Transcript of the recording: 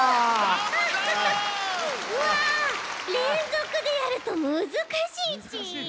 うわれんぞくでやるとむずかしいち。